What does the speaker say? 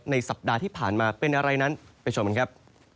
สัปดาห์ที่ผ่านมาเป็นอะไรนั้นไปชมกันครับ